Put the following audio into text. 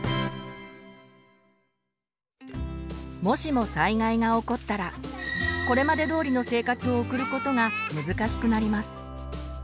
もしも災害が起こったらこれまでどおりの生活を送ることが難しくなります。